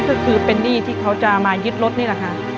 ก็คือเป็นหนี้ที่เขาจะมายึดรถนี่แหละค่ะ